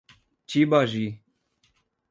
Tibagi